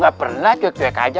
gak pernah cuek cuek aja